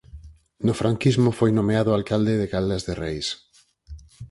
No franquismo foi nomeado alcalde de Caldas de Reis.